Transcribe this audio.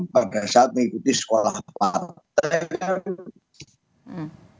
pada saat mengikuti sekolah partai